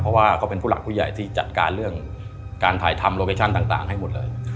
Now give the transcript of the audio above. เพราะว่าเขาเป็นผู้หลักผู้ใหญ่ที่จัดการเรื่องการถ่ายทำโลเคชั่นต่างให้หมดเลย